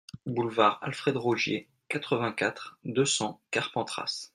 Boulevard Alfred Rogier, quatre-vingt-quatre, deux cents Carpentras